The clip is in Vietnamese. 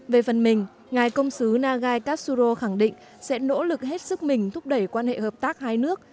về phần mình ngài công sứ nagatsuro khẳng định sẽ nỗ lực hết sức mình thúc đẩy quan hệ hợp tác hai nước